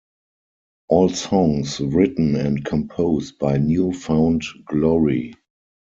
All songs written and composed by New Found Glory.